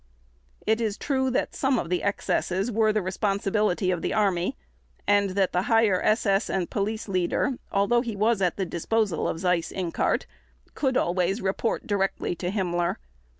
It is true that some of the excesses were the responsibility of the Army, and that the Higher SS and Police Leader, although he was at the disposal of Seyss Inquart, could always report directly to Himmler.